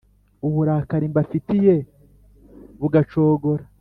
uburakari mbafitiye bugacogora,